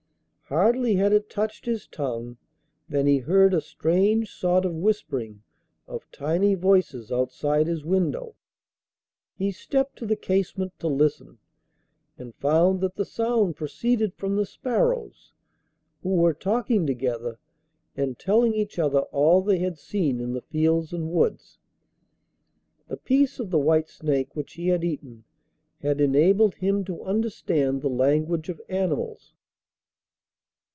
Hardly had it touched his tongue than he heard a strange sort of whispering of tiny voices outside his window. He stepped to the casement to listen, and found that the sound proceeded from the sparrows, who were talking together and telling each other all they had seen in the fields and woods. The piece of the white snake which he had eaten had enabled him to understand the language of animals.